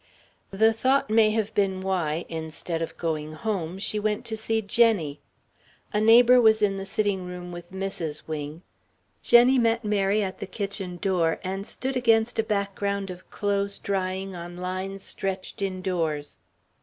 The thought may have been why, instead of going home, she went to see Jenny. A neighbor was in the sitting room with Mrs. Wing. Jenny met Mary at the kitchen door and stood against a background of clothes drying on lines stretched indoors.